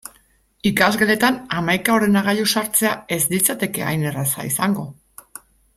Ikasgeletan hamaika ordenagailu sartzea ez litzateke hain erraza izango.